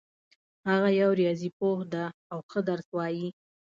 هغه یو ریاضي پوه ده او ښه درس وایي